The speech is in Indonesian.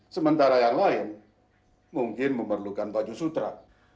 sementara yang lain mungkin memerlukan baju sutra